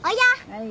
はい。